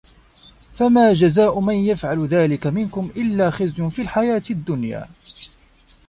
فَمَا جَزَاءُ مَنْ يَفْعَلُ ذَٰلِكَ مِنْكُمْ إِلَّا خِزْيٌ فِي الْحَيَاةِ الدُّنْيَا ۖ